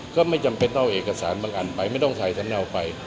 ก็ไม่จำเป็นต้องเอาเอกสารบางอันไปไม่ต้องใส่สำเนาไป